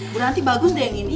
bu nasi bagus deh yang ini